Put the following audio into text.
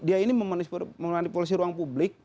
dia ini memanipulasi ruang publik